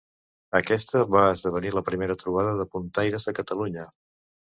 Aquesta va esdevenir la primera trobada de puntaires de Catalunya.